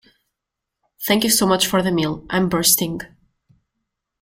Thank you so much for the meal, I'm bursting!.